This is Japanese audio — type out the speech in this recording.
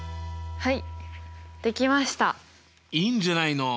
はい。